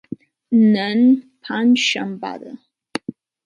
نن پنج شنبه ده.